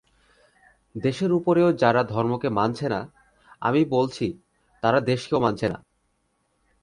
দেশের উপরেও যারা ধর্মকে মানছে না, আমি বলছি, তারা দেশকেও মানছে না।